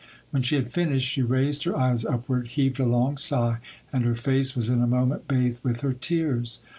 When she had finished, she raised her eyes upward, heaved a long sigh, and her face was in a moment bathed with her tears.